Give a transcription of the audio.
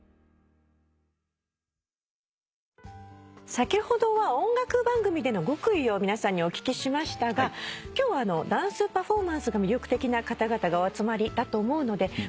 先ほどは音楽番組での極意を皆さんにお聞きしましたが今日はダンスパフォーマンスが魅力的な方がお集まりだと思うので。